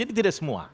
jadi tidak semua